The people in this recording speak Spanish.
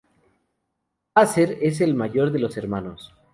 Asser es el mayor de dos hermanos.